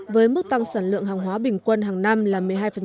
với mức tăng sản lượng hàng hóa bình quân hàng năm là một mươi hai